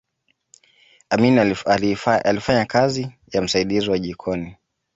amin alifanya kazi ya msaidizi wa jikoni